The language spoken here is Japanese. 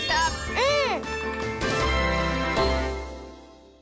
うん！